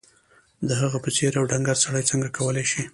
د هغه په څېر یو ډنګر سړی څنګه کولای شي